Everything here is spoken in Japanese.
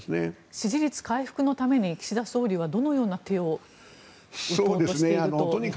支持率回復のために岸田総理はどのような手を打とうとしていると思いますか。